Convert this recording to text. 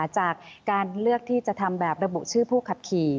จากการเลือกที่จะทำแบบระบุชื่อผู้ขับขี่